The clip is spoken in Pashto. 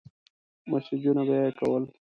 مسېجونه به يې کول.